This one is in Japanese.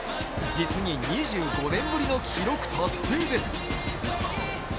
実に２５年ぶりの記録達成です。